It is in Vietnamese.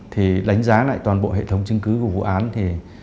thì đánh giá lại toàn bộ hệ thống chứng cứ của vụ án thì